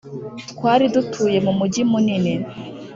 twari dutuye mu mugi munini,